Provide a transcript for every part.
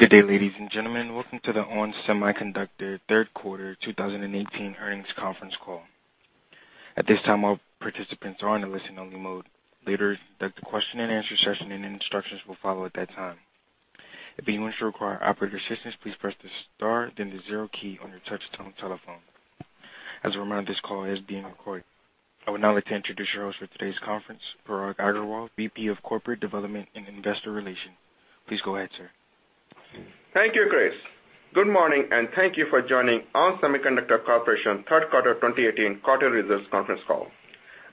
Good day, ladies and gentlemen. Welcome to the ON Semiconductor third quarter 2018 earnings conference call. At this time, all participants are in a listen-only mode. Later, the question and answer session, and instructions will follow at that time. If anyone should require operator assistance, please press the star then the zero key on your touch-tone telephone. As a reminder, this call is being recorded. I would now like to introduce your host for today's conference, Parag Agarwal, VP of Corporate Development and Investor Relations. Please go ahead, sir. Thank you, Grace. Good morning, and thank you for joining ON Semiconductor Corporation third quarter 2018 quarterly results conference call.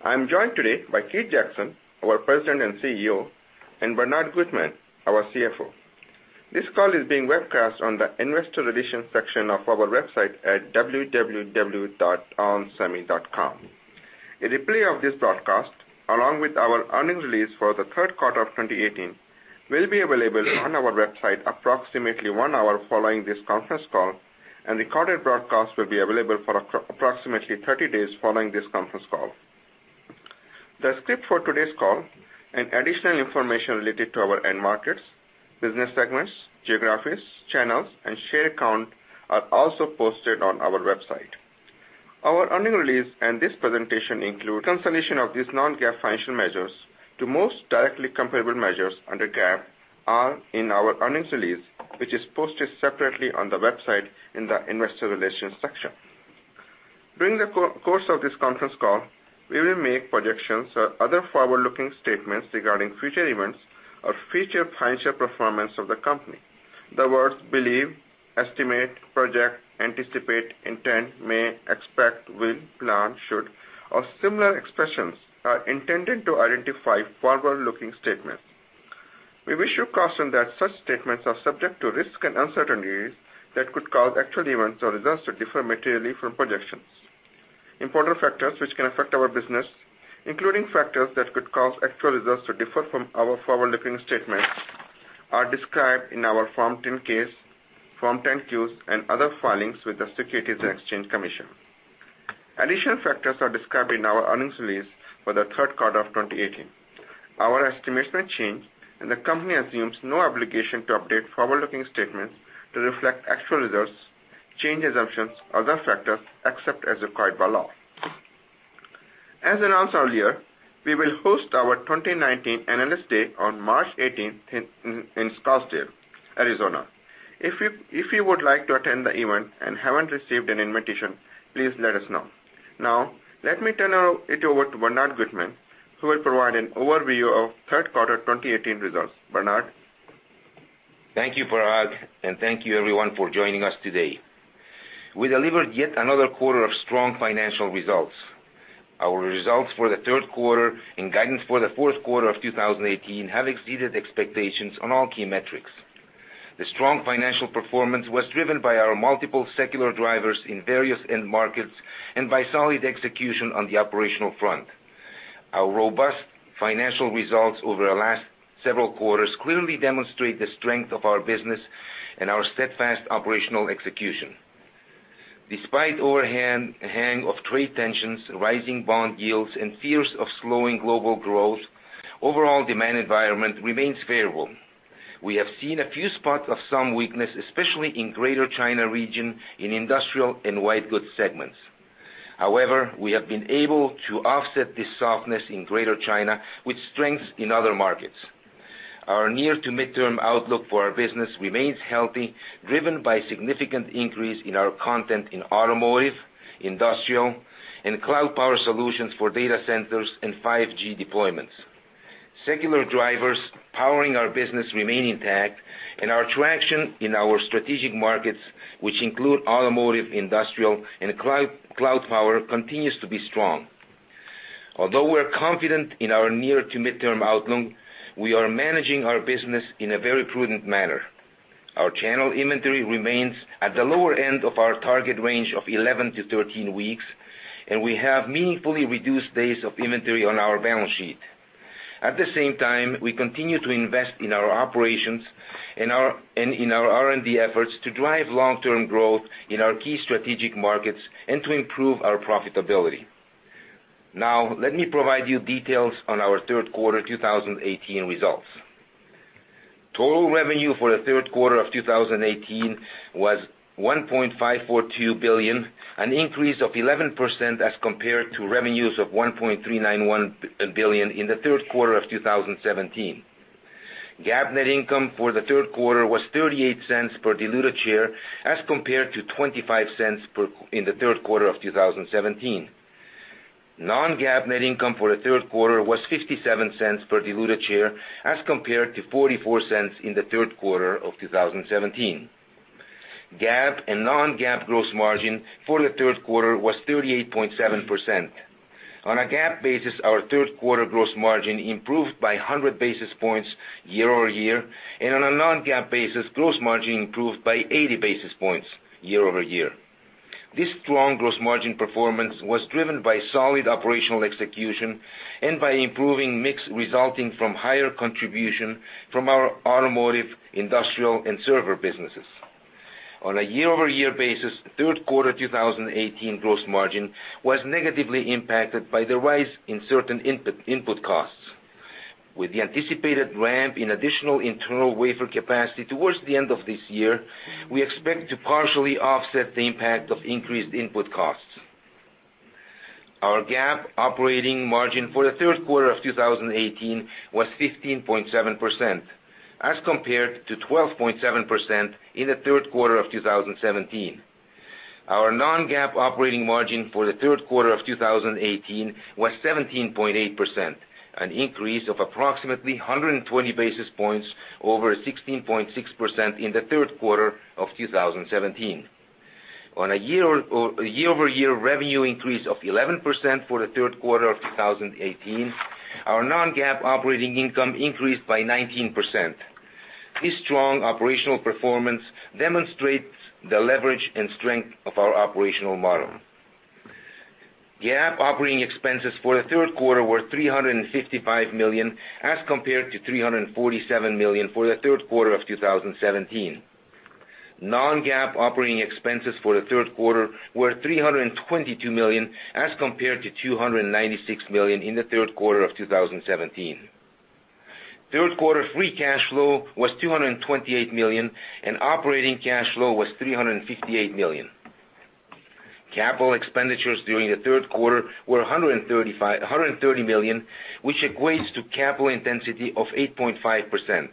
I'm joined today by Keith Jackson, our President and CEO, and Bernard Gutmann, our CFO. This call is being webcast on the Investor Relations section of our website at www.onsemi.com. A replay of this broadcast, along with our earnings release for the third quarter of 2018, will be available on our website approximately one hour following this conference call, and recorded broadcast will be available for approximately 30 days following this conference call. The script for today's call and additional information related to our end markets, business segments, geographies, channels, and share count are also posted on our website. Our earnings release and this presentation include reconciliation of these non-GAAP financial measures to most directly comparable measures under GAAP are in our earnings release, which is posted separately on the website in the Investor Relations section. During the course of this conference call, we will make projections or other forward-looking statements regarding future events or future financial performance of the company. The words believe, estimate, project, anticipate, intend, may, expect, will, plan, should, or similar expressions are intended to identify forward-looking statements. We wish to caution that such statements are subject to risks and uncertainties that could cause actual events or results to differ materially from projections. Important factors which can affect our business, including factors that could cause actual results to differ from our forward-looking statements, are described in our Form 10-K, Form 10-Qs, and other filings with the Securities and Exchange Commission. Additional factors are described in our earnings release for the third quarter of 2018. The company assumes no obligation to update forward-looking statements to reflect actual results, change assumptions, or other factors, except as required by law. As announced earlier, we will host our 2019 Analyst Day on March 18th in Scottsdale, Arizona. If you would like to attend the event and haven't received an invitation, please let us know. Now, let me turn it over to Bernard Gutmann, who will provide an overview of third quarter 2018 results. Bernard? Thank you, Parag, and thank you, everyone, for joining us today. We delivered yet another quarter of strong financial results. Our results for the third quarter and guidance for the fourth quarter of 2018 have exceeded expectations on all key metrics. The strong financial performance was driven by our multiple secular drivers in various end markets and by solid execution on the operational front. Our robust financial results over the last several quarters clearly demonstrate the strength of our business and our steadfast operational execution. Despite overhang of trade tensions, rising bond yields, and fears of slowing global growth, overall demand environment remains favorable. We have seen a few spots of some weakness, especially in Greater China region, in industrial and white goods segments. However, we have been able to offset this softness in Greater China with strengths in other markets. Our near to midterm outlook for our business remains healthy, driven by significant increase in our content in automotive, industrial, and cloud power solutions for data centers and 5G deployments. Secular drivers powering our business remain intact, and our traction in our strategic markets, which include automotive, industrial, and cloud power, continues to be strong. Although we're confident in our near to midterm outlook, we are managing our business in a very prudent manner. Our channel inventory remains at the lower end of our target range of 11 to 13 weeks, and we have meaningfully reduced days of inventory on our balance sheet. At the same time, we continue to invest in our operations and in our R&D efforts to drive long-term growth in our key strategic markets and to improve our profitability. Now, let me provide you details on our third quarter 2018 results. Total revenue for the third quarter of 2018 was $1.542 billion, an increase of 11% as compared to revenues of $1.391 billion in the third quarter of 2017. GAAP net income for the third quarter was $0.38 per diluted share as compared to $0.25 in the third quarter of 2017. Non-GAAP net income for the third quarter was $0.57 per diluted share as compared to $0.44 in the third quarter of 2017. GAAP and non-GAAP gross margin for the third quarter was 38.7%. On a GAAP basis, our third quarter gross margin improved by 100 basis points year-over-year, and on a non-GAAP basis, gross margin improved by 80 basis points year-over-year. This strong gross margin performance was driven by solid operational execution and by improving mix resulting from higher contribution from our automotive, industrial, and server businesses. On a year-over-year basis, third quarter 2018 gross margin was negatively impacted by the rise in certain input costs. With the anticipated ramp in additional internal wafer capacity towards the end of this year, we expect to partially offset the impact of increased input costs. Our GAAP operating margin for the third quarter of 2018 was 15.7%, as compared to 12.7% in the third quarter of 2017. Our non-GAAP operating margin for the third quarter of 2018 was 17.8%, an increase of approximately 120 basis points over 16.6% in the third quarter of 2017. On a year-over-year revenue increase of 11% for the third quarter of 2018, our non-GAAP operating income increased by 19%. This strong operational performance demonstrates the leverage and strength of our operational model. GAAP operating expenses for the third quarter were $355 million, as compared to $347 million for the third quarter of 2017. non-GAAP operating expenses for the third quarter were $322 million, as compared to $296 million in the third quarter of 2017. Third quarter free cash flow was $228 million, and operating cash flow was $358 million. Capital expenditures during the third quarter were $130 million, which equates to capital intensity of 8.5%.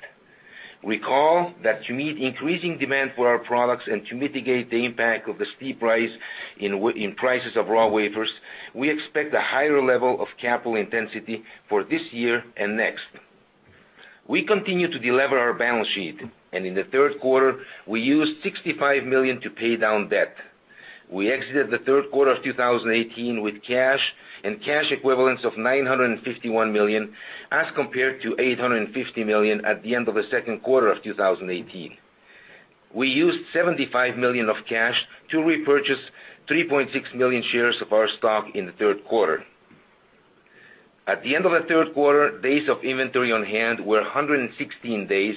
Recall that to meet increasing demand for our products and to mitigate the impact of the steep rise in prices of raw wafers, we expect a higher level of capital intensity for this year and next. We continue to delever our balance sheet, and in the third quarter, we used $65 million to pay down debt. We exited the third quarter of 2018 with cash and cash equivalents of $951 million, as compared to $850 million at the end of the second quarter of 2018. We used $75 million of cash to repurchase 3.6 million shares of our stock in the third quarter. At the end of the third quarter, days of inventory on hand were 116 days,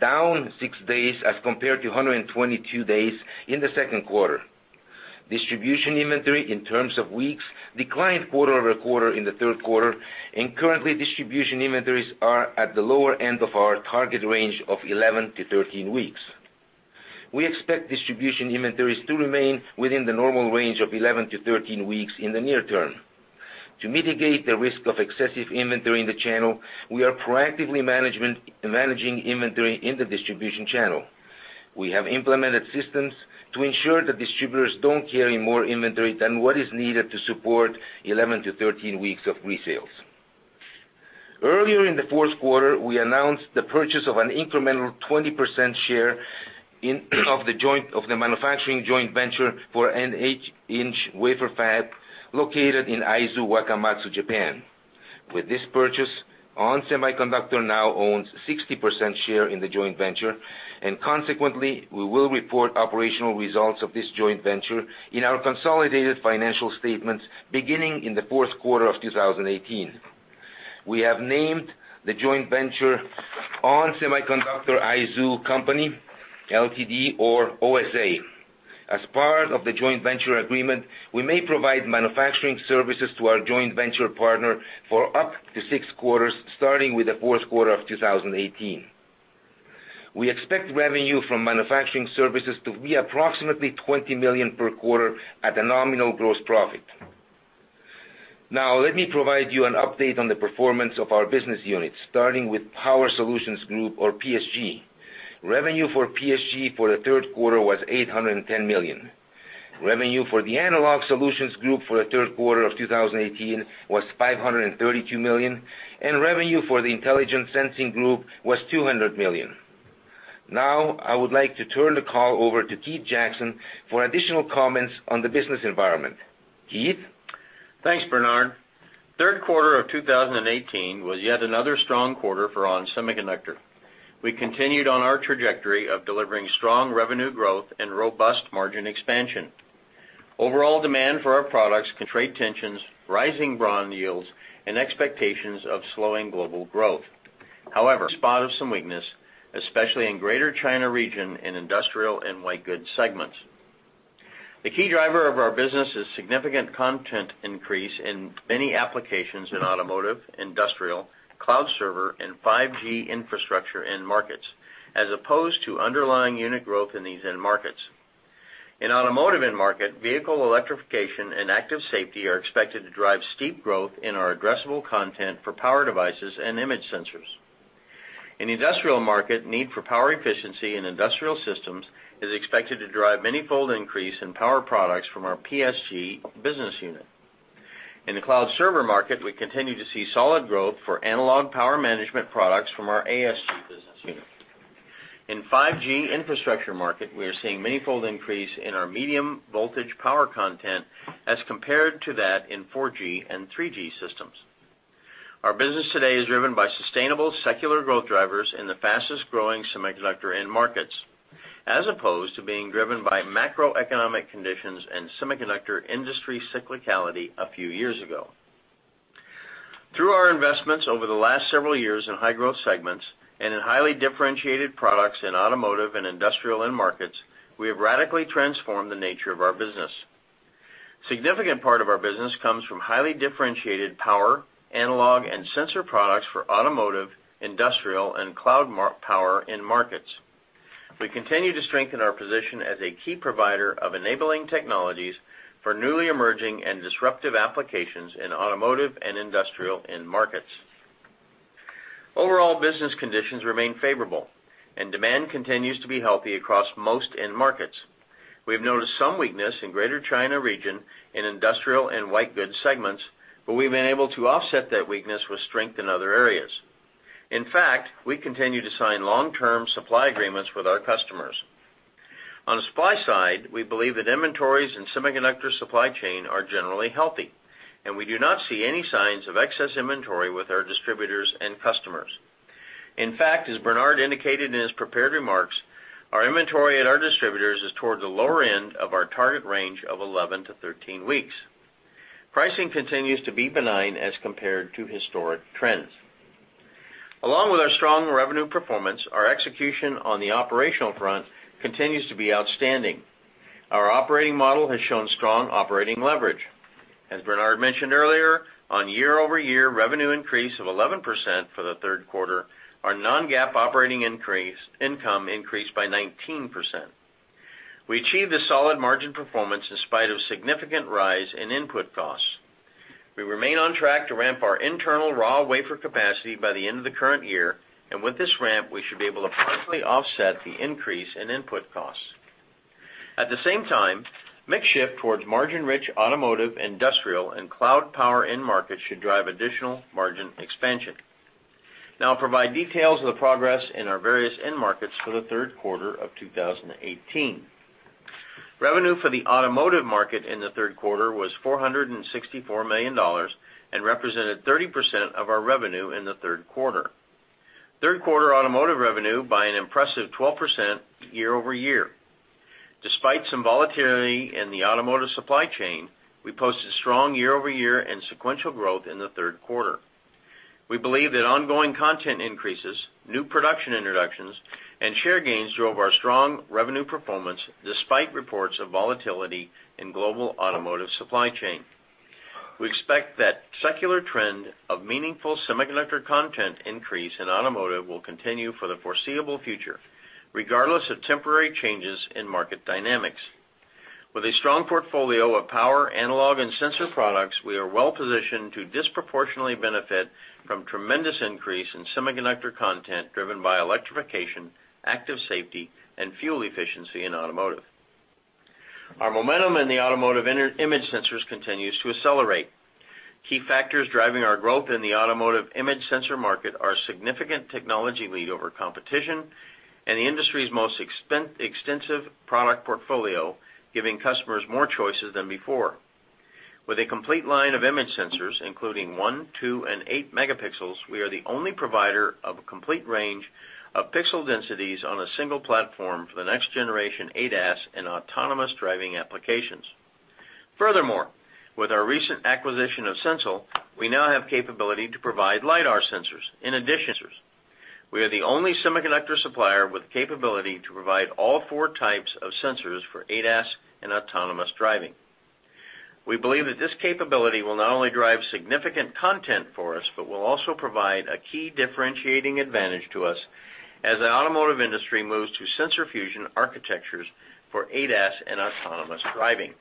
down six days as compared to 122 days in the second quarter. Distribution inventory in terms of weeks declined quarter-over-quarter in the third quarter, and currently, distribution inventories are at the lower end of our target range of 11-13 weeks. We expect distribution inventories to remain within the normal range of 11-13 weeks in the near term. To mitigate the risk of excessive inventory in the channel, we are proactively managing inventory in the distribution channel. We have implemented systems to ensure that distributors don't carry more inventory than what is needed to support 11-13 weeks of resales. Earlier in the fourth quarter, we announced the purchase of an incremental 20% share of the manufacturing joint venture for an eight-inch wafer fab located in Aizu-Wakamatsu, Japan. With this purchase, ON Semiconductor now owns 60% share in the joint venture, and consequently, we will report operational results of this joint venture in our consolidated financial statements beginning in the fourth quarter of 2018. We have named the joint venture ON Semiconductor Aizu Co., Ltd or OSA. As part of the joint venture agreement, we may provide manufacturing services to our joint venture partner for up to six quarters, starting with the fourth quarter of 2018. We expect revenue from manufacturing services to be approximately $20 million per quarter at a nominal gross profit. Now, let me provide you an update on the performance of our business units, starting with Power Solutions Group or PSG. Revenue for PSG for the third quarter was $810 million. Revenue for the Analog Solutions Group for the third quarter of 2018 was $532 million, and revenue for the Intelligent Sensing Group was $200 million. Now, I would like to turn the call over to Keith Jackson for additional comments on the business environment. Keith? Thanks, Bernard. Third quarter of 2018 was yet another strong quarter for ON Semiconductor. We continued on our trajectory of delivering strong revenue growth and robust margin expansion. Overall demand for our products, trade tensions, rising bond yields, and expectations of slowing global growth. However, spot of some weakness, especially in Greater China region and industrial and white goods segments. The key driver of our business is significant content increase in many applications in automotive, industrial, cloud server, and 5G infrastructure end markets, as opposed to underlying unit growth in these end markets. In automotive end market, vehicle electrification and active safety are expected to drive steep growth in our addressable content for power devices and image sensors. In the industrial market, need for power efficiency in industrial systems is expected to drive many fold increase in power products from our PSG business unit. In the cloud server market, we continue to see solid growth for analog power management products from our ASG business unit. In 5G infrastructure market, we are seeing many fold increase in our medium voltage power content as compared to that in 4G and 3G systems. Our business today is driven by sustainable secular growth drivers in the fastest-growing semiconductor end markets, as opposed to being driven by macroeconomic conditions and semiconductor industry cyclicality a few years ago. Through our investments over the last several years in high growth segments and in highly differentiated products in automotive and industrial end markets, we have radically transformed the nature of our business. Significant part of our business comes from highly differentiated power, analog, and sensor products for automotive, industrial, and cloud power end markets. We continue to strengthen our position as a key provider of enabling technologies for newly emerging and disruptive applications in automotive and industrial end markets. Overall business conditions remain favorable and demand continues to be healthy across most end markets. We have noticed some weakness in Greater China region, in industrial and white goods segments, but we've been able to offset that weakness with strength in other areas. In fact, we continue to sign long-term supply agreements with our customers. On the supply side, we believe that inventories and semiconductor supply chain are generally healthy, and we do not see any signs of excess inventory with our distributors and customers. In fact, as Bernard indicated in his prepared remarks, our inventory at our distributors is towards the lower end of our target range of 11 to 13 weeks. Pricing continues to be benign as compared to historic trends. Along with our strong revenue performance, our execution on the operational front continues to be outstanding. Our operating model has shown strong operating leverage. As Bernard mentioned earlier, on year-over-year revenue increase of 11% for the third quarter, our non-GAAP operating income increased by 19%. We achieved a solid margin performance in spite of significant rise in input costs. We remain on track to ramp our internal raw wafer capacity by the end of the current year, and with this ramp, we should be able to partially offset the increase in input costs. At the same time, mix shift towards margin-rich automotive, industrial, and cloud power end markets should drive additional margin expansion. Now I'll provide details of the progress in our various end markets for the third quarter of 2018. Revenue for the automotive market in the third quarter was $464 million and represented 30% of our revenue in the third quarter. Third quarter automotive revenue by an impressive 12% year-over-year. Despite some volatility in the automotive supply chain, we posted strong year-over-year and sequential growth in the third quarter. We believe that ongoing content increases, new production introductions, and share gains drove our strong revenue performance despite reports of volatility in global automotive supply chain. We expect that secular trend of meaningful semiconductor content increase in automotive will continue for the foreseeable future, regardless of temporary changes in market dynamics. With a strong portfolio of power, analog, and sensor products, we are well positioned to disproportionately benefit from tremendous increase in semiconductor content driven by electrification, active safety, and fuel efficiency in automotive. Our momentum in the automotive image sensors continues to accelerate. Key factors driving our growth in the automotive image sensor market are significant technology lead over competition and the industry's most extensive product portfolio, giving customers more choices than before. With a complete line of image sensors, including 1, 2, and 8 megapixels, we are the only provider of a complete range of pixel densities on a single platform for the next generation ADAS and autonomous driving applications. With our recent acquisition of SensL, we now have capability to provide LiDAR sensors in addition. We are the only semiconductor supplier with capability to provide all 4 types of sensors for ADAS and autonomous driving. We believe that this capability will not only drive significant content for us, but will also provide a key differentiating advantage to us as the automotive industry moves to sensor fusion architectures for ADAS and autonomous driving.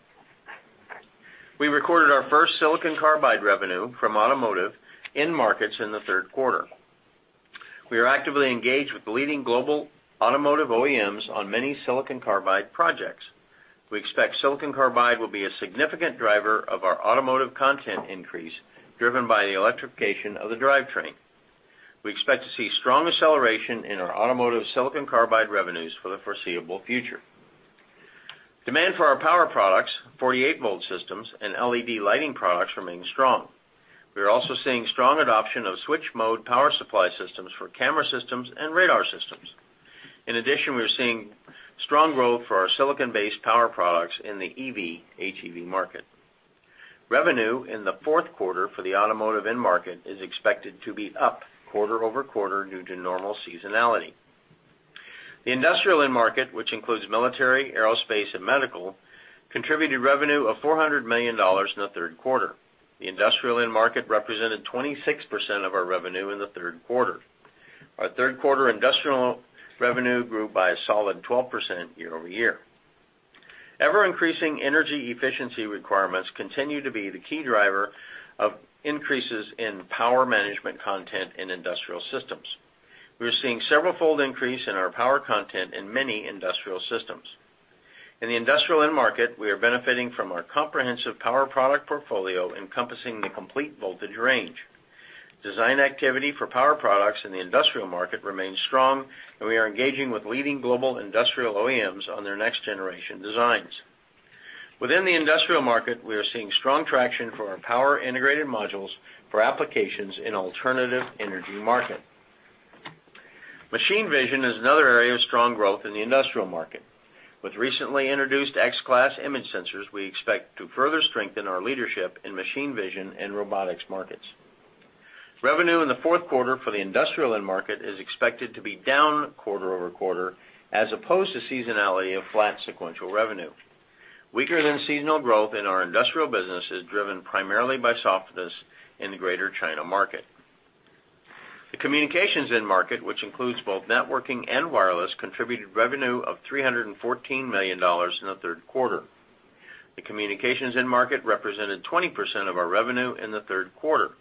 We recorded our first silicon carbide revenue from automotive end markets in the third quarter. We are actively engaged with leading global automotive OEMs on many silicon carbide projects. We expect silicon carbide will be a significant driver of our automotive content increase, driven by the electrification of the drivetrain. We expect to see strong acceleration in our automotive silicon carbide revenues for the foreseeable future. Demand for our power products, 48 volt systems, and LED lighting products remain strong. We are also seeing strong adoption of switched-mode power supply systems for camera systems and radar systems. We are seeing strong growth for our silicon-based power products in the EV, HEV market. Revenue in the fourth quarter for the automotive end market is expected to be up quarter-over-quarter due to normal seasonality. The industrial end market, which includes military, aerospace, and medical, contributed revenue of $400 million in the third quarter. The industrial end market represented 26% of our revenue in the third quarter. Our third quarter industrial revenue grew by a solid 12% year-over-year. Ever-increasing energy efficiency requirements continue to be the key driver of increases in power management content in industrial systems. We are seeing several fold increase in our power content in many industrial systems. In the industrial end market, we are benefiting from our comprehensive power product portfolio encompassing the complete voltage range. Design activity for power products in the industrial market remains strong, and we are engaging with leading global industrial OEMs on their next generation designs. Within the industrial market, we are seeing strong traction for our power integrated modules for applications in alternative energy market. Machine vision is another area of strong growth in the industrial market. With recently introduced X-Class image sensors, we expect to further strengthen our leadership in machine vision and robotics markets. Revenue in the fourth quarter for the industrial end market is expected to be down quarter-over-quarter as opposed to seasonality of flat sequential revenue. Weaker than seasonal growth in our industrial business is driven primarily by softness in the Greater China market. The communications end market, which includes both networking and wireless, contributed revenue of $314 million in the third quarter. The communications end market represented 20% of our revenue in the third quarter.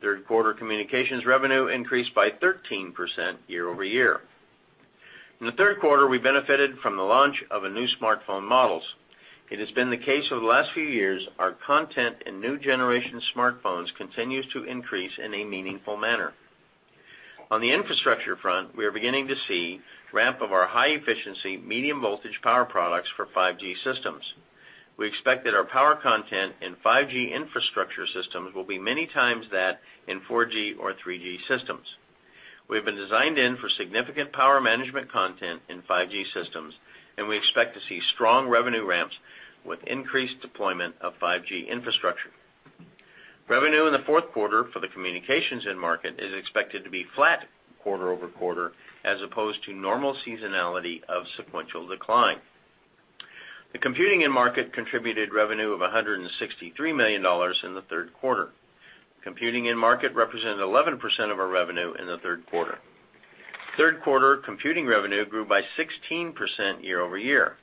Third quarter communications revenue increased by 13% year-over-year. In the third quarter, we benefited from the launch of new smartphone models. It has been the case over the last few years, our content in new generation smartphones continues to increase in a meaningful manner. On the infrastructure front, we are beginning to see ramp of our high-efficiency, medium-voltage power products for 5G systems. We expect that our power content in 5G infrastructure systems will be many times that in 4G or 3G systems. We have been designed in for significant power management content in 5G systems, and we expect to see strong revenue ramps with increased deployment of 5G infrastructure. Revenue in the fourth quarter for the communications end market is expected to be flat quarter-over-quarter as opposed to normal seasonality of sequential decline. The computing end market contributed revenue of $163 million in the third quarter. Computing end market represented 11% of our revenue in the third quarter. Third quarter computing revenue grew by 16% year-over-year.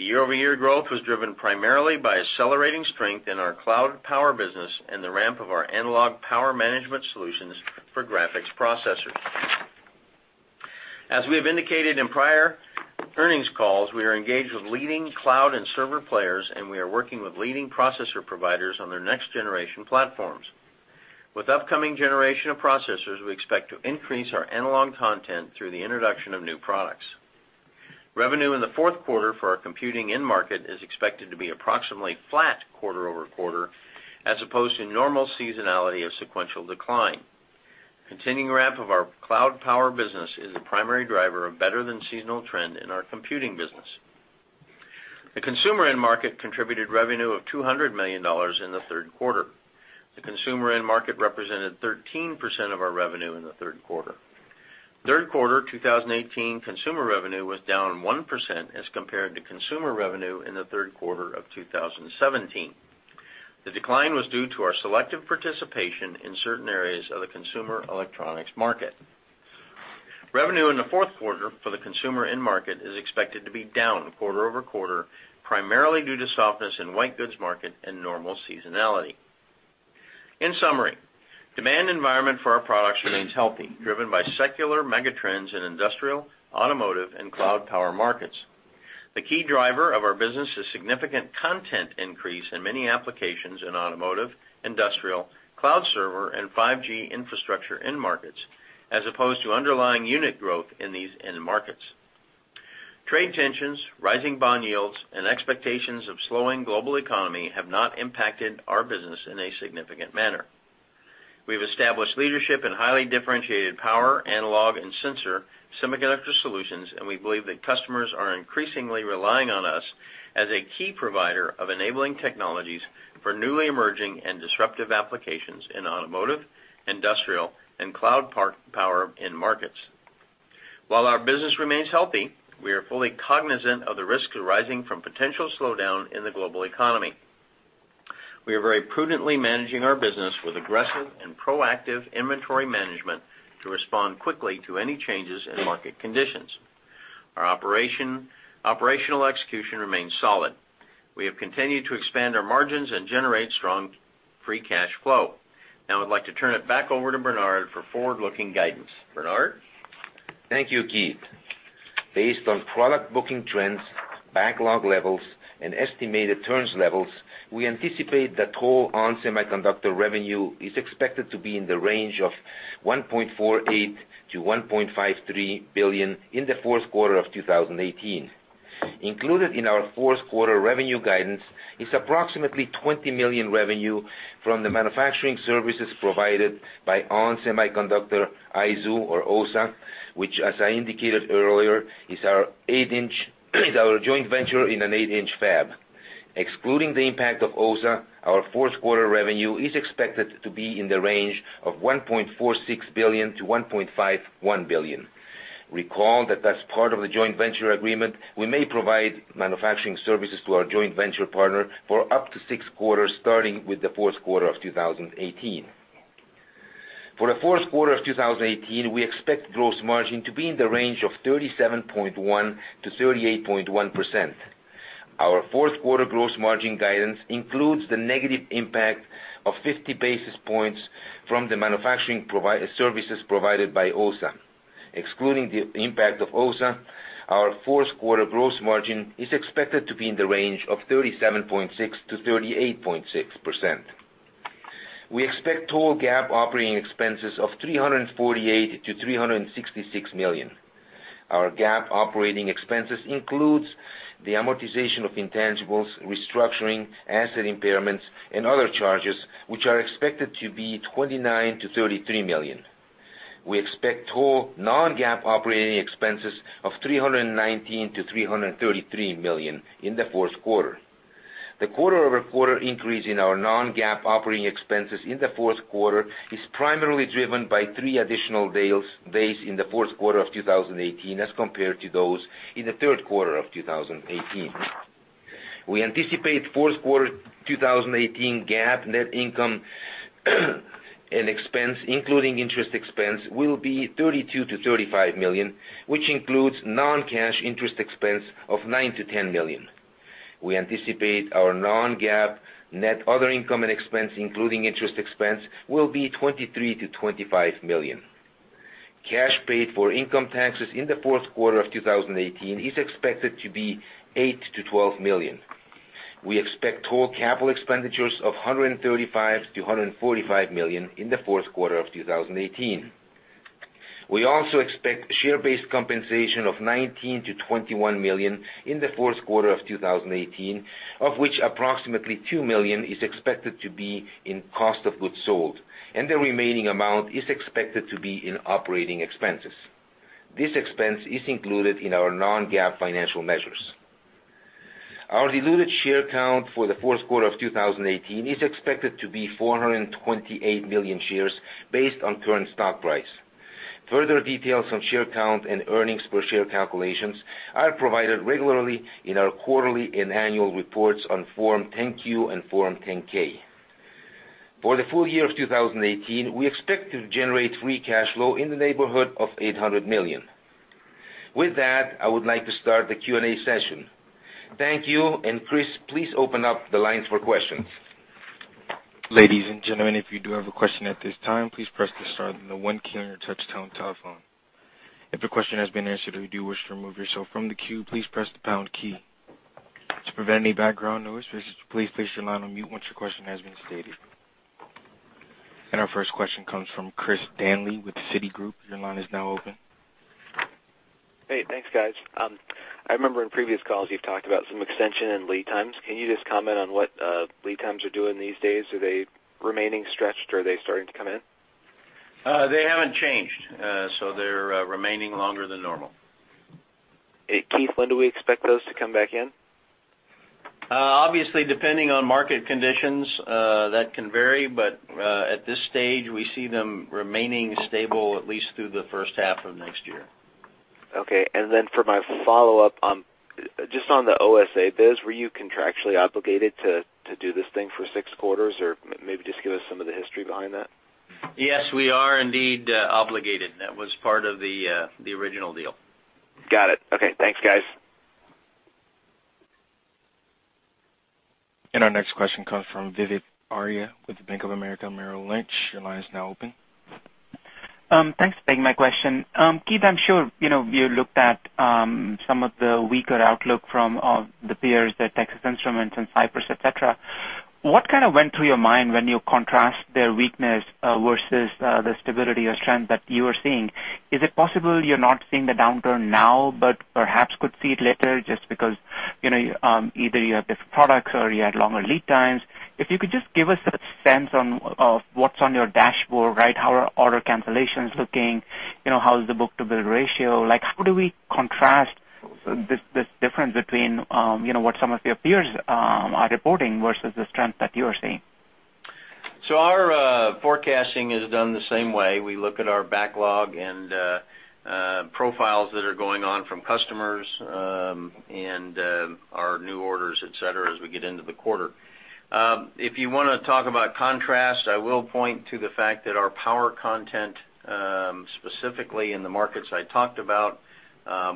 The year-over-year growth was driven primarily by accelerating strength in our cloud power business and the ramp of our analog power management solutions for graphics processors. As we have indicated in prior earnings calls, we are engaged with leading cloud and server players, and we are working with leading processor providers on their next generation platforms. With upcoming generation of processors, we expect to increase our analog content through the introduction of new products. Revenue in the fourth quarter for our computing end market is expected to be approximately flat quarter-over-quarter as opposed to normal seasonality of sequential decline. Continuing ramp of our cloud power business is the primary driver of better than seasonal trend in our computing business. The consumer end market contributed revenue of $200 million in the third quarter. The consumer end market represented 13% of our revenue in the third quarter. Third quarter 2018 consumer revenue was down 1% as compared to consumer revenue in the third quarter of 2017. The decline was due to our selective participation in certain areas of the consumer electronics market. Revenue in the fourth quarter for the consumer end market is expected to be down quarter-over-quarter, primarily due to softness in white goods market and normal seasonality. In summary, demand environment for our products remains healthy, driven by secular mega trends in industrial, automotive, and cloud power markets. The key driver of our business is significant content increase in many applications in automotive, industrial, cloud server, and 5G infrastructure end markets, as opposed to underlying unit growth in these end markets. Trade tensions, rising bond yields, and expectations of slowing global economy have not impacted our business in a significant manner. We've established leadership in highly differentiated power, analog, and sensor semiconductor solutions, and we believe that customers are increasingly relying on us as a key provider of enabling technologies for newly emerging and disruptive applications in automotive, industrial, and cloud power end markets. While our business remains healthy, we are fully cognizant of the risks arising from potential slowdown in the global economy. We are very prudently managing our business with aggressive and proactive inventory management to respond quickly to any changes in market conditions. Our operational execution remains solid. We have continued to expand our margins and generate strong free cash flow. Now I'd like to turn it back over to Bernard for forward-looking guidance. Bernard? Thank you, Keith. Based on product booking trends, backlog levels, and estimated turns levels, we anticipate that total ON Semiconductor revenue is expected to be in the range of $1.48 billion-$1.53 billion in the fourth quarter of 2018. Included in our fourth quarter revenue guidance is approximately $20 million revenue from the manufacturing services provided by ON Semiconductor Aizu or OSA, which, as I indicated earlier, is our joint venture in an eight-inch fab. Excluding the impact of OSA, our fourth quarter revenue is expected to be in the range of $1.46 billion-$1.51 billion. Recall that that's part of the joint venture agreement, we may provide manufacturing services to our joint venture partner for up to 6 quarters, starting with the fourth quarter of 2018. For the fourth quarter of 2018, we expect gross margin to be in the range of 37.1%-38.1%. Our fourth quarter gross margin guidance includes the negative impact of 50 basis points from the manufacturing services provided by OSA. Excluding the impact of OSA, our fourth quarter gross margin is expected to be in the range of 37.6%-38.6%. We expect total GAAP operating expenses of $348 million-$366 million. Our GAAP operating expenses includes the amortization of intangibles, restructuring, asset impairments, and other charges, which are expected to be $29 million-$33 million. We expect total non-GAAP operating expenses of $319 million-$333 million in the fourth quarter. The quarter-over-quarter increase in our non-GAAP operating expenses in the fourth quarter is primarily driven by 3 additional days in the fourth quarter of 2018 as compared to those in the third quarter of 2018. We anticipate fourth quarter 2018 GAAP net income and expense, including interest expense, will be $32 million-$35 million, which includes non-cash interest expense of $9 million-$10 million. We anticipate our non-GAAP net other income and expense, including interest expense, will be $23 million-$25 million. Cash paid for income taxes in the fourth quarter of 2018 is expected to be $8 million-$12 million. We expect total capital expenditures of $135 million-$145 million in the fourth quarter of 2018. We also expect share-based compensation of $19 million-$21 million in the fourth quarter of 2018, of which approximately $2 million is expected to be in cost of goods sold, and the remaining amount is expected to be in operating expenses. This expense is included in our non-GAAP financial measures. Our diluted share count for the fourth quarter of 2018 is expected to be 428 million shares based on current stock price. Further details on share count and earnings per share calculations are provided regularly in our quarterly and annual reports on Form 10-Q and Form 10-K. For the full year of 2018, we expect to generate free cash flow in the neighborhood of $800 million. With that, I would like to start the Q&A session. Thank you. Chris, please open up the lines for questions. Ladies and gentlemen, if you do have a question at this time, please press the star then the one key on your touchtone telephone. If your question has been answered or you do wish to remove yourself from the queue, please press the pound key. To prevent any background noise, please place your line on mute once your question has been stated. Our first question comes from Christopher Danely with Citigroup. Your line is now open. Hey, thanks, guys. I remember in previous calls you've talked about some extension in lead times. Can you just comment on what lead times are doing these days? Are they remaining stretched or are they starting to come in? They haven't changed. They're remaining longer than normal. Okay. Keith, when do we expect those to come back in? Obviously, depending on market conditions, that can vary, but at this stage we see them remaining stable at least through the first half of next year. Okay. Then for my follow-up, just on the OSA biz, were you contractually obligated to do this thing for six quarters? Maybe just give us some of the history behind that. Yes, we are indeed obligated. That was part of the original deal. Got it. Okay. Thanks, guys. Our next question comes from Vivek Arya with Bank of America Merrill Lynch. Your line is now open. Thanks for taking my question. Keith, I'm sure you looked at some of the weaker outlook from the peers at Texas Instruments and Cypress, et cetera. What kind of went through your mind when you contrast their weakness versus the stability or strength that you are seeing? Is it possible you're not seeing the downturn now, but perhaps could see it later just because either you have different products or you had longer lead times? If you could just give us a sense of what's on your dashboard. How are order cancellations looking? How's the book-to-bill ratio? How do we contrast this difference between what some of your peers are reporting versus the strength that you are seeing? Our forecasting is done the same way. We look at our backlog and profiles that are going on from customers and our new orders, et cetera, as we get into the quarter. If you want to talk about contrast, I will point to the fact that our power content, specifically in the markets I talked about,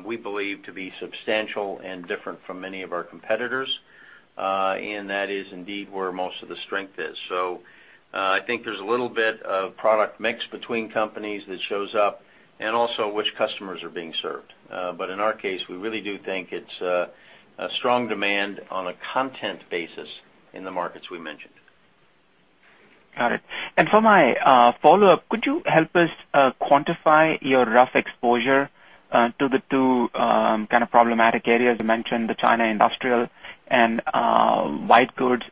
we believe to be substantial and different from many of our competitors. That is indeed where most of the strength is. I think there's a little bit of product mix between companies that shows up and also which customers are being served. In our case, we really do think it's a strong demand on a content basis in the markets we mentioned. Got it. For my follow-up, could you help us quantify your rough exposure to the two kind of problematic areas you mentioned, the China industrial and white goods?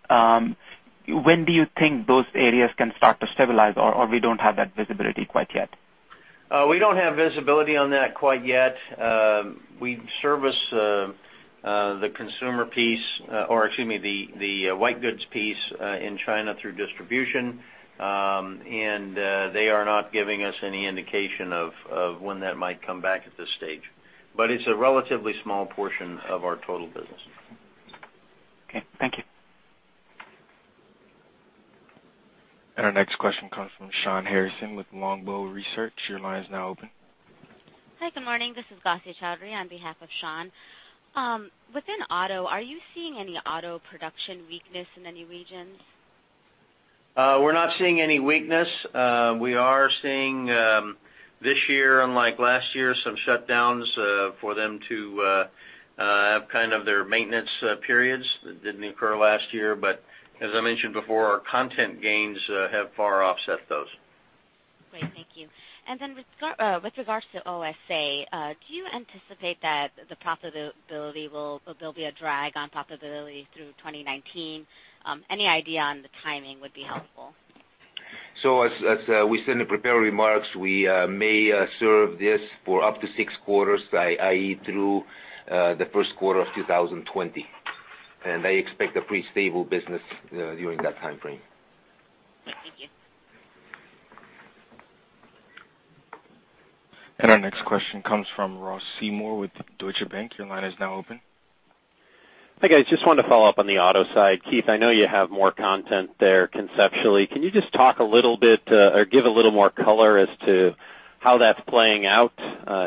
When do you think those areas can start to stabilize, or we don't have that visibility quite yet? We don't have visibility on that quite yet. We service the consumer piece or, excuse me, the white goods piece in China through distribution. They are not giving us any indication of when that might come back at this stage. It's a relatively small portion of our total business. Okay. Thank you. Our next question comes from Shawn Harrison with Longbow Research. Your line is now open. Hi, good morning. This is Gausia Chowdhury on behalf of Shawn. Within auto, are you seeing any auto production weakness in any regions? We're not seeing any weakness. We are seeing this year, unlike last year, some shutdowns for them to have kind of their maintenance periods that didn't occur last year, but As I mentioned before, our content gains have far offset those. Great. Thank you. With regards to OSA, do you anticipate that there'll be a drag on profitability through 2019? Any idea on the timing would be helpful. As we said in the prepared remarks, we may serve this for up to 6 quarters, i.e., through the first quarter of 2020, and I expect a pretty stable business during that timeframe. Okay. Thank you. Our next question comes from Ross Seymore with Deutsche Bank. Your line is now open. Hi, guys. Just wanted to follow up on the auto side. Keith, I know you have more content there conceptually. Can you just talk a little bit, or give a little more color as to how that's playing out?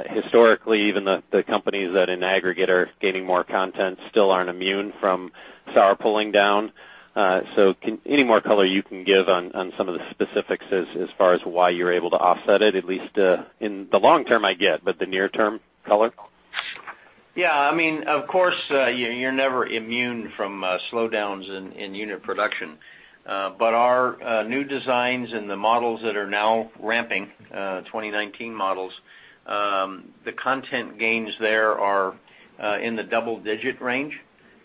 Historically, even the companies that in aggregate are gaining more content still aren't immune from SAR pulling down. Any more color you can give on some of the specifics as far as why you're able to offset it, at least in the long term, I get, but the near term color? Yeah. Of course, you're never immune from slowdowns in unit production. Our new designs and the models that are now ramping, 2019 models, the content gains there are in the double-digit range.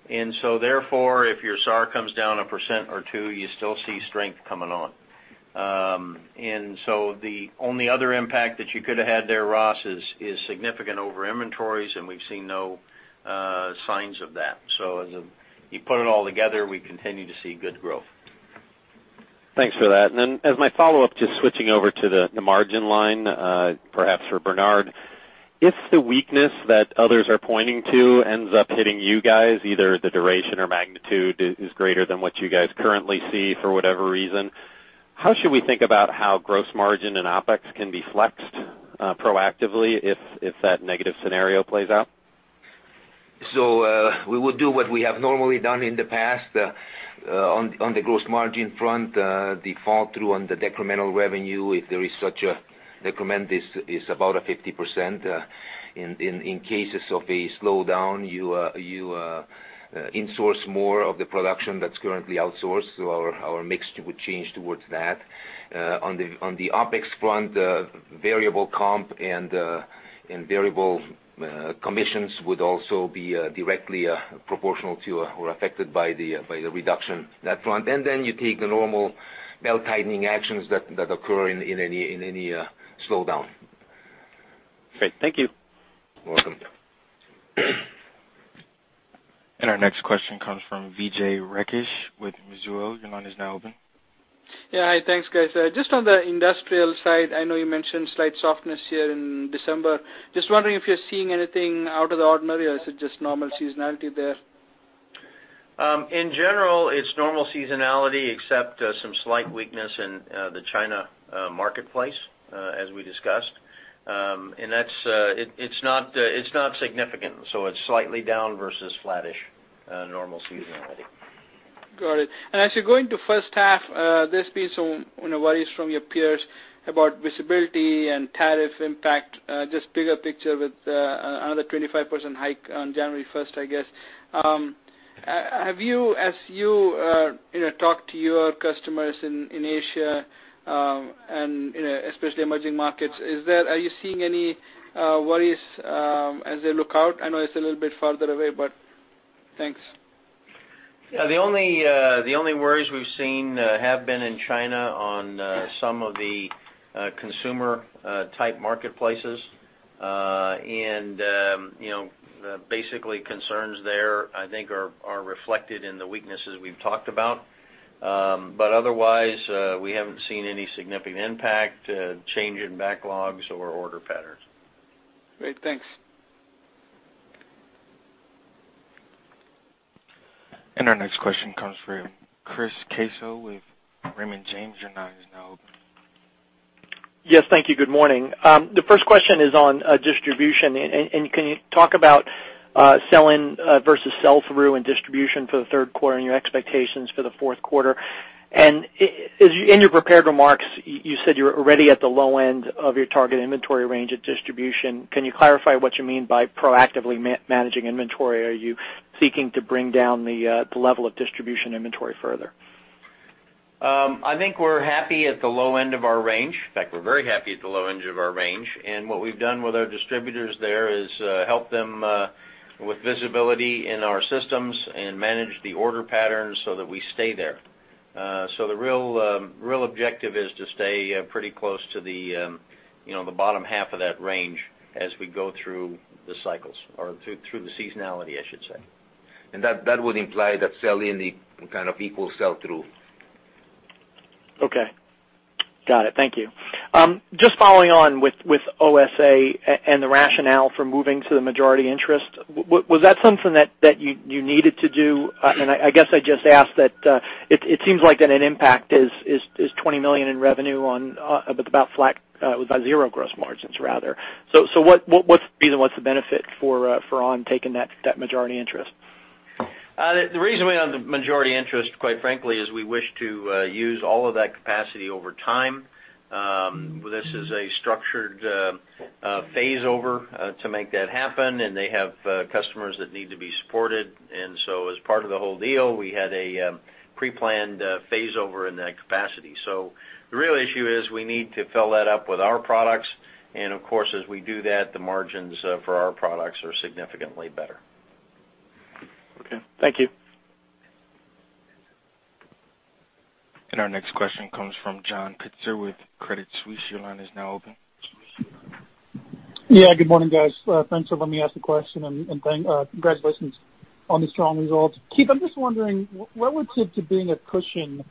Therefore, if your SAR comes down a percent or two, you still see strength coming on. The only other impact that you could've had there, Ross, is significant over inventories, and we've seen no signs of that. As you put it all together, we continue to see good growth. Thanks for that. Then as my follow-up, just switching over to the margin line, perhaps for Bernard, if the weakness that others are pointing to ends up hitting you guys, either the duration or magnitude is greater than what you guys currently see for whatever reason, how should we think about how gross margin and OpEx can be flexed proactively if that negative scenario plays out? We would do what we have normally done in the past. On the gross margin front, the fall-through on the decremental revenue, if there is such a decrement, is about a 50%. In cases of a slowdown, you insource more of the production that's currently outsourced. Our mixture would change towards that. On the OpEx front, variable comp and variable commissions would also be directly proportional to or affected by the reduction on that front. Then you take the normal belt-tightening actions that occur in any slowdown. Great. Thank you. Welcome. Our next question comes from Vijay Rakesh with Mizuho. Your line is now open. Hi. Thanks, guys. Just on the industrial side, I know you mentioned slight softness here in December. Just wondering if you're seeing anything out of the ordinary, or is it just normal seasonality there? In general, it's normal seasonality except some slight weakness in the China marketplace, as we discussed. It's not significant. It's slightly down versus flattish normal seasonality. Got it. As you go into the first half, there's been some worries from your peers about visibility and tariff impact, just bigger picture with another 25% hike on January 1st, I guess. As you talk to your customers in Asia, and especially emerging markets, are you seeing any worries as they look out? I know it's a little bit farther away, but thanks. Yeah. The only worries we've seen have been in China on some of the consumer-type marketplaces. Basically concerns there, I think, are reflected in the weaknesses we've talked about. Otherwise, we haven't seen any significant impact, change in backlogs or order patterns. Great. Thanks. Our next question comes from Chris Caso with Raymond James. Your line is now open. Yes. Thank you. Good morning. The first question is on distribution, can you talk about sell-in versus sell-through and distribution for the third quarter and your expectations for the fourth quarter? In your prepared remarks, you said you're already at the low end of your target inventory range at distribution. Can you clarify what you mean by proactively managing inventory? Are you seeking to bring down the level of distribution inventory further? I think we're happy at the low end of our range. In fact, we're very happy at the low end of our range. What we've done with our distributors there is help them with visibility in our systems and manage the order patterns so that we stay there. The real objective is to stay pretty close to the bottom half of that range as we go through the cycles, or through the seasonality, I should say. That would imply that sell-in kind of equals sell-through. Okay. Got it. Thank you. Just following on with OSA and the rationale for moving to the majority interest, was that something that you needed to do? I guess I'd just ask that it seems like that an impact is $20 million in revenue with about zero gross margins, rather. What's the reason? What's the benefit for ON taking that majority interest? The reason we own the majority interest, quite frankly, is we wish to use all of that capacity over time. This is a structured phase over to make that happen, and they have customers that need to be supported. As part of the whole deal, we had a pre-planned phase over in that capacity. The real issue is we need to fill that up with our products, and of course, as we do that, the margins for our products are significantly better. Okay. Thank you. Our next question comes from John Pitzer with Credit Suisse. Your line is now open. Good morning, guys. Thanks for letting me ask the question, and congratulations on the strong results. Keith, I'm just wondering what would tip to being a cushion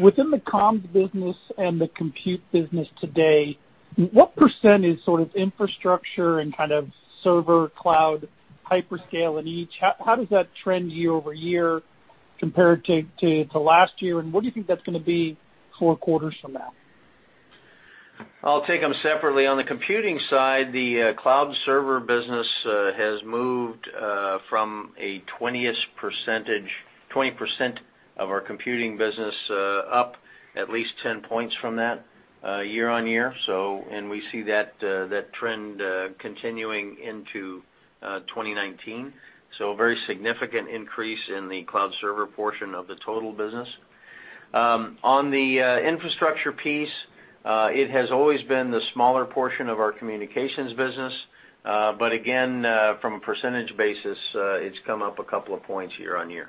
within the comms business and the compute business today, what % is sort of infrastructure and kind of server cloud hyperscale in each? How does that trend year-over-year compared to last year, and what do you think that's going to be 4 quarters from now? I'll take them separately. On the computing side, the cloud server business has moved from a 20% of our computing business up at least 10 points from that year-on-year. We see that trend continuing into 2019. A very significant increase in the cloud server portion of the total business. On the infrastructure piece, it has always been the smaller portion of our communications business. Again, from a percentage basis, it's come up a couple of points year-on-year.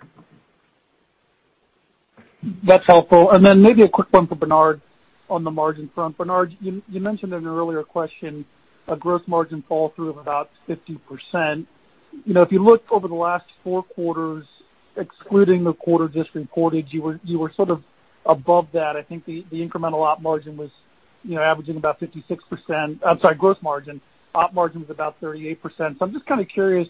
That's helpful. Maybe a quick one for Bernard on the margin front. Bernard, you mentioned in an earlier question a growth margin fall through of about 50%. If you look over the last four quarters, excluding the quarter just reported, you were sort of above that. I think the incremental op margin was averaging about 56% growth margin. Op margin was about 38%. I'm just kind of curious,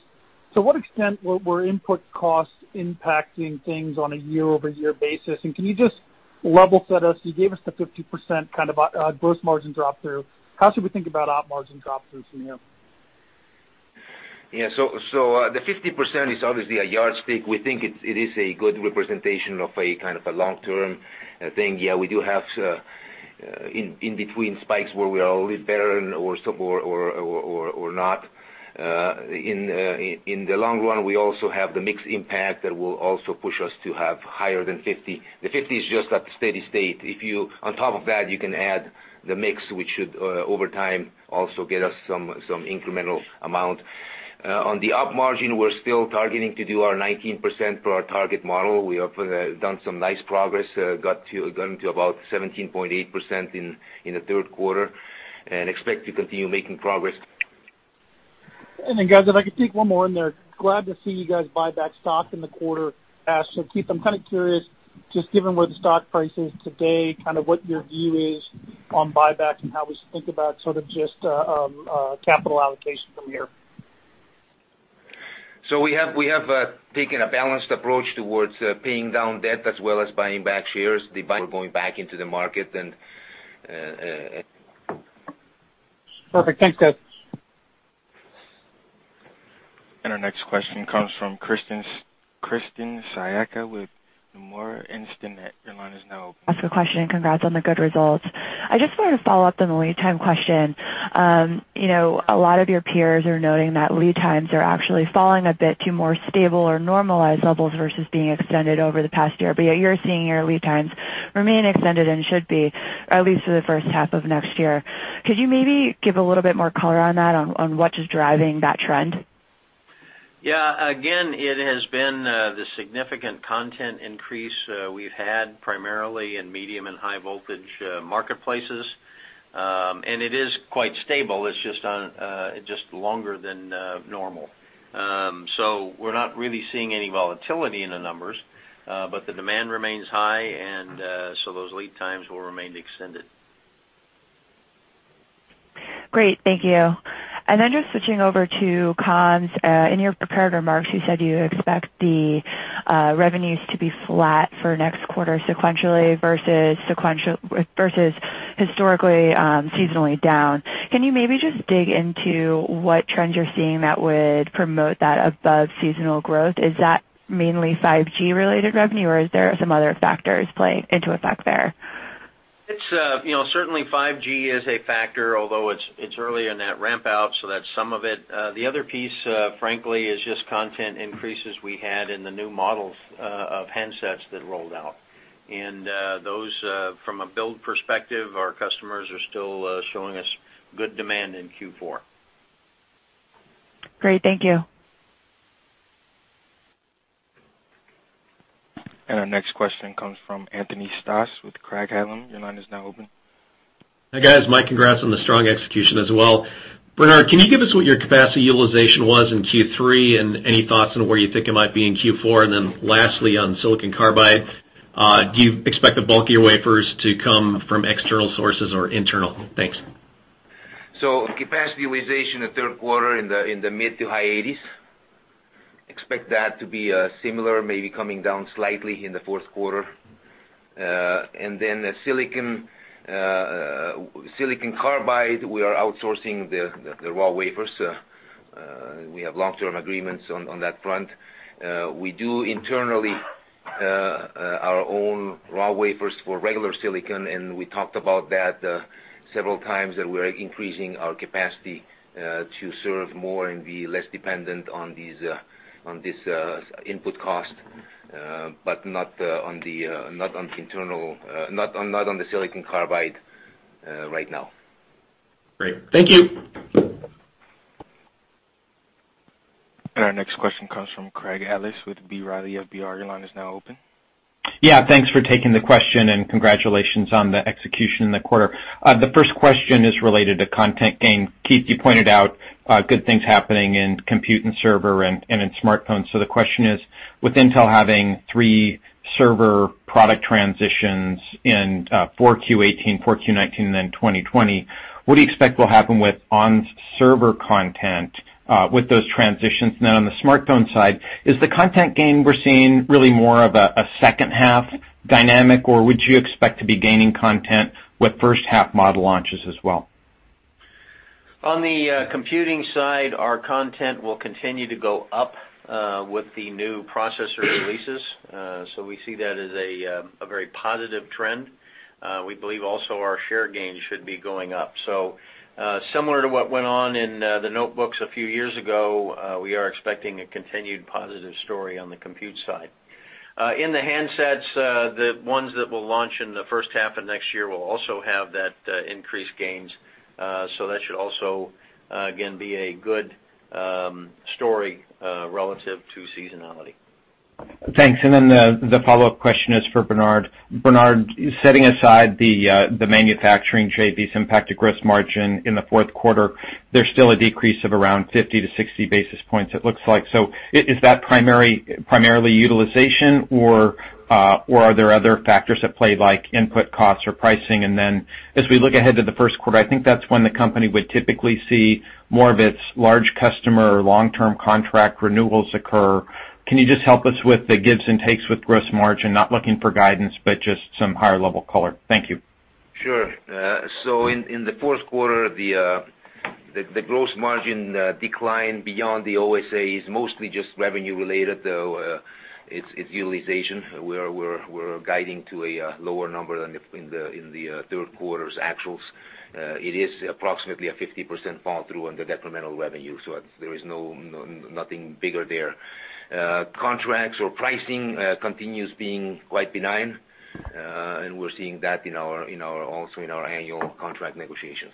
to what extent were input costs impacting things on a year-over-year basis? Can you just level set us? You gave us the 50% kind of growth margin drop through. How should we think about op margin drop through from here? The 50% is obviously a yardstick. We think it is a good representation of a kind of a long-term thing. We do have in between spikes where we are a little better or not. In the long run, we also have the mix impact that will also push us to have higher than 50%. The 50% is just at the steady state. On top of that, you can add the mix, which should, over time, also get us some incremental amount. On the op margin, we're still targeting to do our 19% for our target model. We have done some nice progress, got into about 17.8% in the third quarter, and expect to continue making progress. Guys, if I could take one more in there. Glad to see you guys buy back stock in the quarter. Keith, I'm kind of curious, just given where the stock price is today, kind of what your view is on buyback and how we should think about sort of just capital allocation from here. We have taken a balanced approach towards paying down debt as well as buying back shares. We're going back into the market. Perfect. Thanks, guys. Our next question comes from Krysten Sciacca with Nomura Instinet. Your line is now open. I want to ask a question, congrats on the good results. I just wanted to follow up on the lead time question. A lot of your peers are noting that lead times are actually falling a bit to more stable or normalized levels versus being extended over the past year. Yet you're seeing your lead times remain extended and should be at least for the first half of next year. Could you maybe give a little bit more color on that, on what is driving that trend? Again, it has been the significant content increase we've had primarily in medium and high voltage marketplaces. It is quite stable. It's just longer than normal. We're not really seeing any volatility in the numbers. The demand remains high, those lead times will remain extended. Then just switching over to comms. In your prepared remarks, you said you expect the revenues to be flat for next quarter sequentially versus historically, seasonally down. Can you maybe just dig into what trends you're seeing that would promote that above seasonal growth? Is that mainly 5G-related revenue, or are there some other factors playing into effect there? Certainly 5G is a factor, although it's early in that ramp out, so that's some of it. The other piece, frankly, is just content increases we had in the new models of handsets that rolled out. Those from a build perspective, our customers are still showing us good demand in Q4. Great. Thank you. Our next question comes from Anthony Stoss with Craig-Hallum. Your line is now open. Hi, guys. My congrats on the strong execution as well. Bernard, can you give us what your capacity utilization was in Q3 and any thoughts on where you think it might be in Q4? Lastly, on silicon carbide, do you expect the bulkier wafers to come from external sources or internal? Thanks. Capacity utilization in third quarter in the mid to high 80s. Expect that to be similar, maybe coming down slightly in the fourth quarter. The silicon carbide, we are outsourcing the raw wafers. We have long-term agreements on that front. We do internally our own raw wafers for regular silicon, and we talked about that several times, that we're increasing our capacity to serve more and be less dependent on this input cost, but not on the silicon carbide right now. Great. Thank you. Our next question comes from Craig Ellis with B. Riley FBR, your line is now open. Yeah. Thanks for taking the question, and congratulations on the execution in the quarter. The first question is related to content gain. Keith, you pointed out good things happening in compute and server and in smartphones. The question is, with Intel having three server product transitions in 4Q 2018, 4Q 2019, and 2020, what do you expect will happen with on-server content with those transitions? On the smartphone side, is the content gain we're seeing really more of a second half dynamic, or would you expect to be gaining content with first half model launches as well? On the computing side, our content will continue to go up with the new processor releases. We see that as a very positive trend. We believe also our share gains should be going up. Similar to what went on in the notebooks a few years ago, we are expecting a continued positive story on the compute side. In the handsets, the ones that will launch in the first half of next year will also have that increased gains. That should also, again, be a good story relative to seasonality. Thanks. The follow-up question is for Bernard. Bernard, setting aside the manufacturing JVs impact to gross margin in the fourth quarter, there's still a decrease of around 50-60 basis points it looks like. Is that primarily utilization or are there other factors at play, like input costs or pricing? As we look ahead to the first quarter, I think that's when the company would typically see more of its large customer long-term contract renewals occur. Can you just help us with the gives and takes with gross margin? Not looking for guidance, but just some higher-level color. Thank you. Sure. In the fourth quarter, the gross margin decline beyond the OSA is mostly just revenue related, though it's utilization. We're guiding to a lower number than in the third quarter's actuals. It is approximately a 50% fall through on the incremental revenue, there is nothing bigger there. Contracts or pricing continues being quite benign, we're seeing that also in our annual contract negotiations.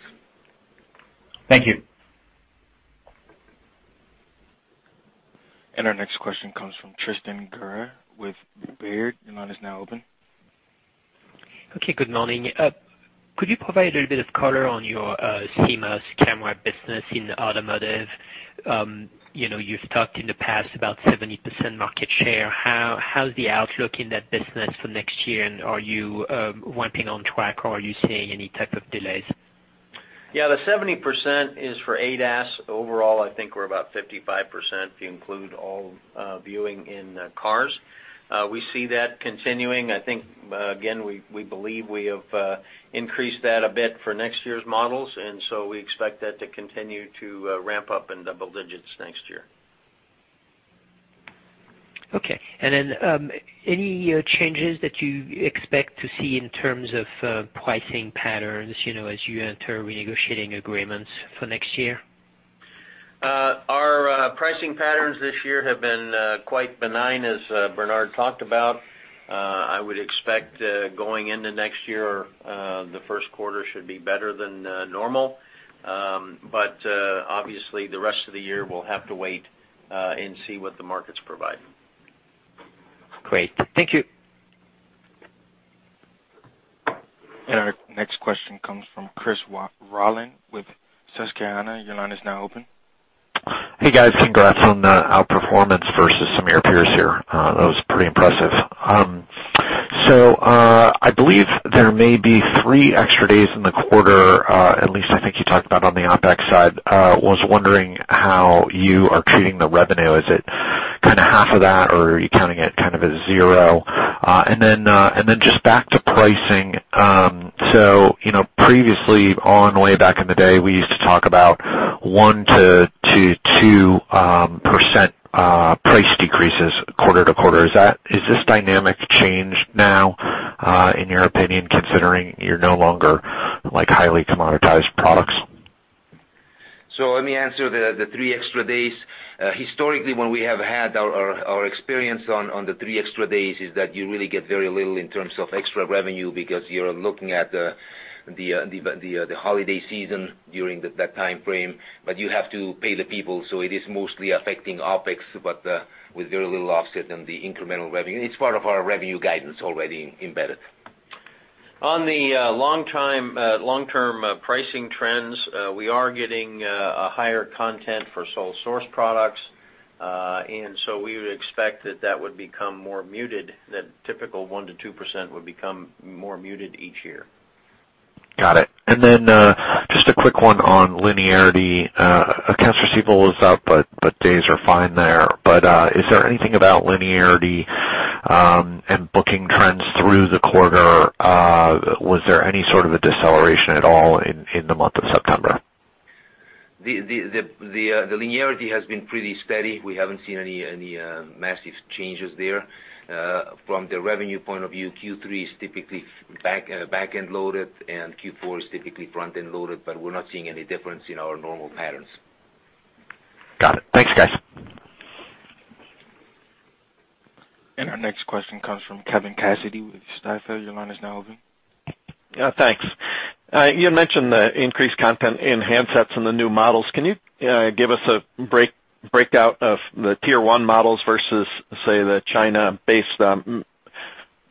Thank you. Our next question comes from Tristan Gerra with Baird. Your line is now open. Okay, good morning. Could you provide a little bit of color on your CMOS camera business in automotive? You've talked in the past about 70% market share. How's the outlook in that business for next year, and are you ramping on track or are you seeing any type of delays? Yeah, the 70% is for ADAS. Overall, I think we're about 55% if you include all viewing in cars. We see that continuing. I think, again, we believe we have increased that a bit for next year's models, and so we expect that to continue to ramp up in double digits next year. Okay. Then any changes that you expect to see in terms of pricing patterns as you enter renegotiating agreements for next year? Our pricing patterns this year have been quite benign, as Bernard talked about. I would expect going into next year, the first quarter should be better than normal. Obviously the rest of the year will have to wait and see what the markets provide. Great. Thank you. Our next question comes from Christopher Rolland with Susquehanna. Your line is now open. Hey, guys. Congrats on the outperformance versus some of your peers here. That was pretty impressive. I believe there may be three extra days in the quarter, at least I think you talked about on the OpEx side. Was wondering how you are treating the revenue. Is it kind of half of that, or are you counting it kind of as zero? Just back to pricing. Previously, on way back in the day, we used to talk about 1%-2% price decreases quarter-to-quarter. Has this dynamic changed now, in your opinion, considering you're no longer highly commoditized products? Let me answer the three extra days. Historically, when we have had our experience on the three extra days is that you really get very little in terms of extra revenue because you're looking at the holiday season during that time frame. You have to pay the people, so it is mostly affecting OpEx, but with very little offset in the incremental revenue. It's part of our revenue guidance already embedded. On the long-term pricing trends, we are getting a higher content for sole source products. We would expect that that would become more muted, that typical 1%-2% would become more muted each year. Got it. Just a quick one on linearity. Accounts receivable is up, but days are fine there. Is there anything about linearity and booking trends through the quarter? Was there any sort of a deceleration at all in the month of September? The linearity has been pretty steady. We haven't seen any massive changes there. From the revenue point of view, Q3 is typically back-end loaded, and Q4 is typically front-end loaded, but we're not seeing any difference in our normal patterns. Got it. Thanks, guys. Our next question comes from Kevin Cassidy with Stifel. Your line is now open. Yeah, thanks. You had mentioned the increased content in handsets and the new models. Can you give us a breakout of the Tier 1 models versus, say, the China-based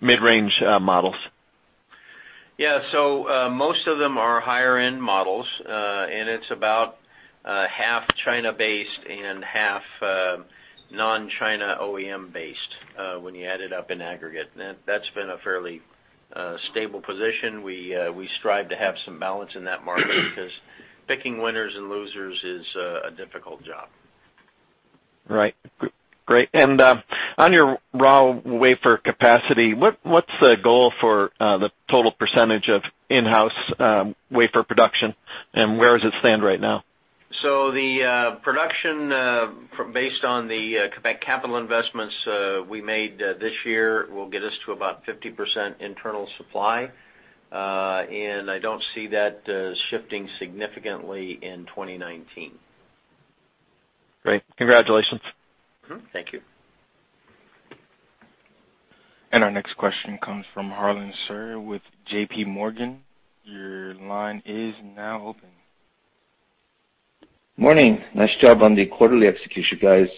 mid-range models? Most of them are higher-end models, and it's about half China-based and half non-China OEM-based, when you add it up in aggregate. That's been a fairly stable position. We strive to have some balance in that market because picking winners and losers is a difficult job. Right. Great. On your raw wafer capacity, what's the goal for the total percentage of in-house wafer production, and where does it stand right now? The production, based on the capital investments we made this year, will get us to about 50% internal supply. I don't see that shifting significantly in 2019. Great. Congratulations. Thank you. Our next question comes from Harlan Sur with JP Morgan. Your line is now open. Morning. Nice job on the quarterly execution, guys.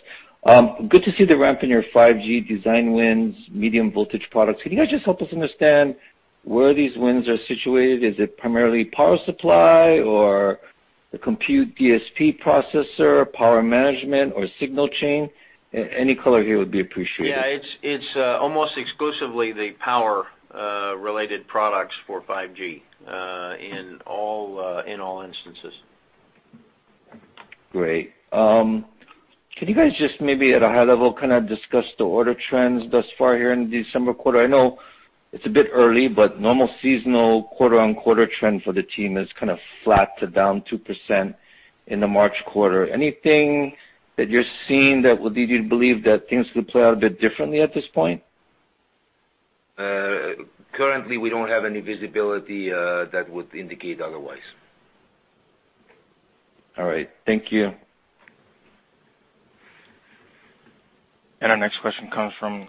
Good to see the ramp in your 5G design wins medium voltage products. Can you guys just help us understand where these wins are situated? Is it primarily power supply or the compute DSP processor, power management, or signal chain? Any color here would be appreciated. Yeah. It's almost exclusively the power-related products for 5G, in all instances. Great. Can you guys just maybe, at a high level, kind of discuss the order trends thus far here in the December quarter? I know it's a bit early, but normal seasonal quarter-on-quarter trend for the team is kind of flat to down 2% in the March quarter. Anything that you're seeing that would lead you to believe that things could play out a bit differently at this point? Currently, we don't have any visibility that would indicate otherwise. All right. Thank you. Our next question comes from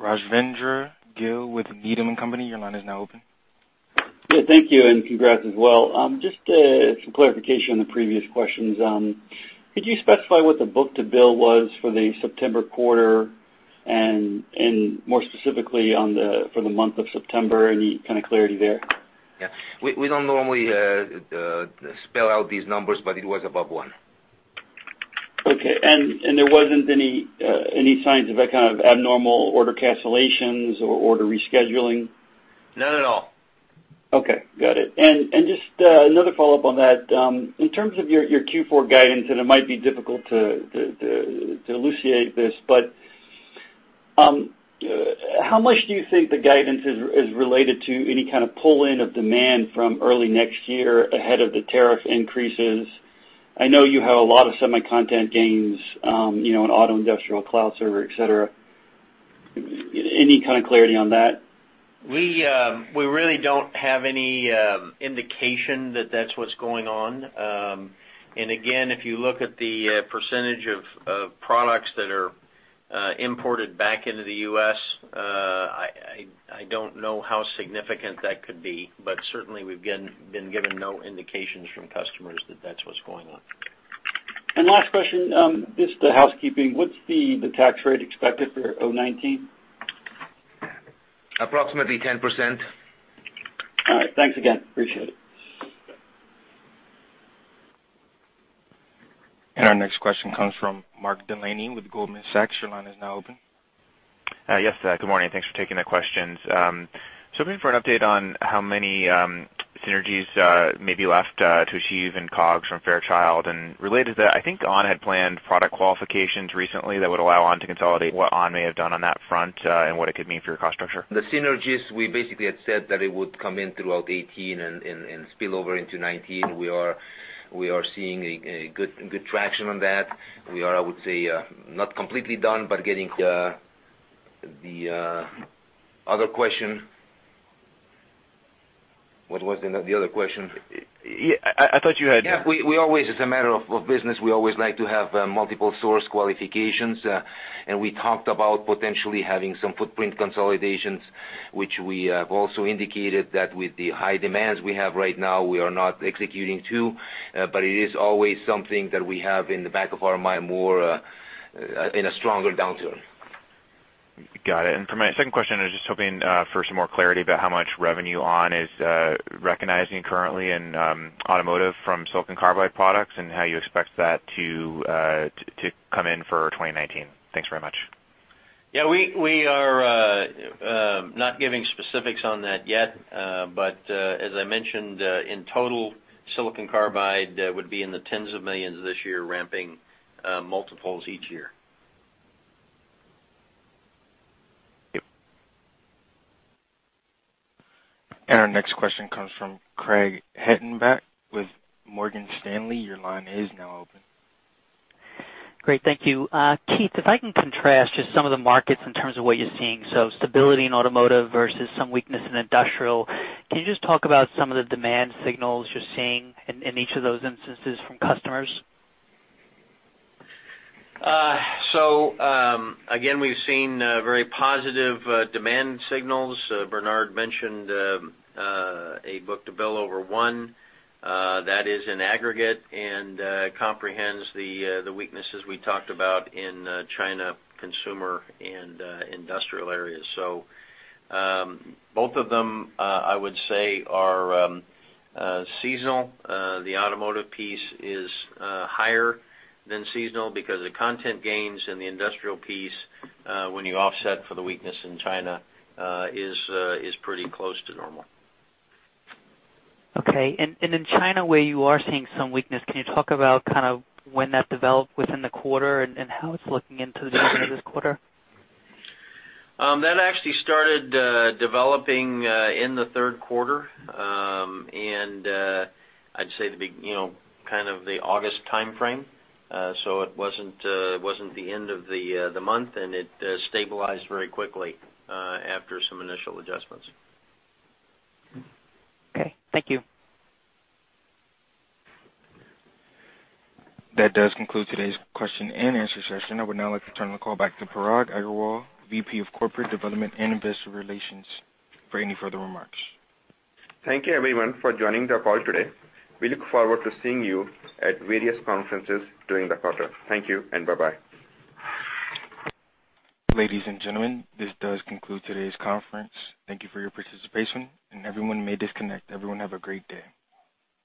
Rajvindra Gill with Needham & Company. Your line is now open. Yeah, thank you, and congrats as well. Just some clarification on the previous questions. Could you specify what the book-to-bill was for the September quarter, and more specifically for the month of September? Any kind of clarity there? Yeah. We don't normally spell out these numbers, but it was above one. Okay. There wasn't any signs of any kind of abnormal order cancellations or order rescheduling? None at all. Okay. Got it. Just another follow-up on that. In terms of your Q4 guidance, it might be difficult to elucidate this, but how much do you think the guidance is related to any kind of pull-in of demand from early next year ahead of the tariff increases? I know you have a lot of semi-content gains in auto, industrial, cloud server, et cetera. Any kind of clarity on that? We really don't have any indication that that's what's going on. Again, if you look at the percentage of products that are imported back into the U.S., I don't know how significant that could be, but certainly we've been given no indications from customers that that's what's going on. Last question, just housekeeping. What's the tax rate expected for 2019? Approximately 10%. All right. Thanks again. Appreciate it. Our next question comes from Mark Delaney with Goldman Sachs. Your line is now open. Yes. Good morning. Thanks for taking the questions. Just hoping for an update on how many synergies may be left to achieve in COGS from Fairchild. Related to that, I think ON had planned product qualifications recently that would allow ON to consolidate. What ON may have done on that front and what it could mean for your cost structure? The synergies, we basically had said that it would come in throughout 2018 and spill over into 2019. We are seeing a good traction on that. We are, I would say, not completely done. The other question. What was the other question? I thought you had. Yeah, as a matter of business, we always like to have multiple source qualifications. We talked about potentially having some footprint consolidations, which we have also indicated that with the high demands we have right now, we are not executing to. It is always something that we have in the back of our mind more in a stronger downturn. Got it. For my second question, I was just hoping for some more clarity about how much revenue ON is recognizing currently in automotive from silicon carbide products and how you expect that to come in for 2019. Thanks very much. Yeah, we are not giving specifics on that yet. As I mentioned, in total, silicon carbide would be in the $tens of millions this year, ramping multiples each year. Thank you. Our next question comes from Craig Hettenbach with Morgan Stanley. Your line is now open. Great, thank you. Keith, if I can contrast just some of the markets in terms of what you're seeing, stability in automotive versus some weakness in industrial. Can you just talk about some of the demand signals you're seeing in each of those instances from customers? Again, we've seen very positive demand signals. Bernard mentioned a book-to-bill over one. That is in aggregate and comprehends the weaknesses we talked about in China consumer and industrial areas. Both of them, I would say, are seasonal. The automotive piece is higher than seasonal because the content gains in the industrial piece, when you offset for the weakness in China, is pretty close to normal. Okay. In China, where you are seeing some weakness, can you talk about when that developed within the quarter and how it's looking into the beginning of this quarter? That actually started developing in the third quarter, and I'd say the big kind of the August timeframe. It wasn't the end of the month, and it stabilized very quickly after some initial adjustments. Okay, thank you. That does conclude today's question and answer session. I would now like to turn the call back to Parag Agarwal, VP of Corporate Development and Investor Relations, for any further remarks. Thank you everyone for joining the call today. We look forward to seeing you at various conferences during the quarter. Thank you, and bye-bye. Ladies and gentlemen, this does conclude today's conference. Thank you for your participation. Everyone may disconnect. Everyone have a great day.